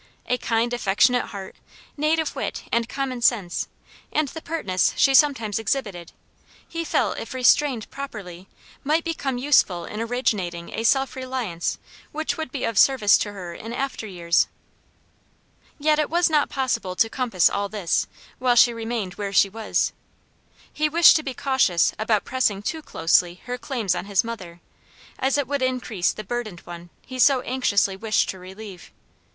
A kind, affectionate heart, native wit, and common sense, and the pertness she sometimes exhibited, he felt if restrained properly, might become useful in originating a self reliance which would be of service to her in after years. Yet it was not possible to compass all this, while she remained where she was. He wished to be cautious about pressing too closely her claims on his mother, as it would increase the burdened one he so anxiously wished to relieve.